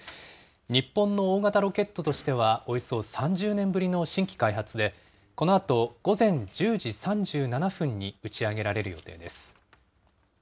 日本の大型ロケットとしてはおよそ３０年ぶりの新規開発で、このあと午前１０時３７分に打ち上げられる予定です。